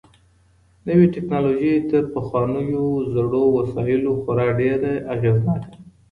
نوې ټکنالوژي تر پخوانيو زړو وسايلو خورا ډېره اغېزناکه ده.